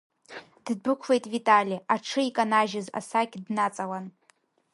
Ддәықәлеит Витали, аҽы иканажьыз асакь днаҵалан.